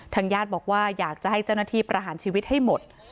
ทางญาติบอกว่าอยากให้เจ้ณถีประหารชีวิตให้หมด